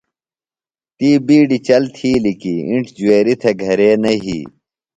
تی بِیڈیۡ چل تِھیلیۡ کی اِنڇ جُویریۡ تھےۡ گھرے نہ یھی۔